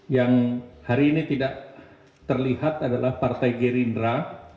yang hari ini tidak terlihat adalah partai gerindra